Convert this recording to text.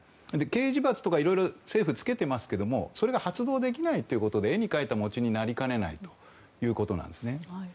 刑事罰とかいろいろ政府はつけていますがそれが発動できないってことで絵に描いた餅になりかねないということなんです。